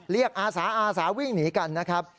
อาสาอาสาวิ่งหนีกันนะครับ